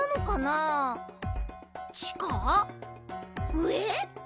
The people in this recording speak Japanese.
うえ？